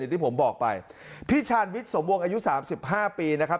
อย่างที่ผมบอกไปพี่ชาญวิทย์สมวงอายุ๓๕ปีนะครับ